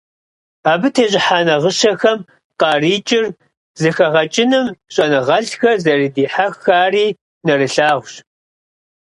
Абы тещIыхьа нагъыщэхэм къарыкIыр зэхэгъэкIыным щIэныгъэлIхэр зэрыдихьэхари нэрылъагъущ.